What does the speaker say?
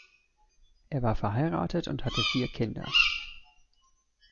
Er war verheiratet und hatte vier Kinder.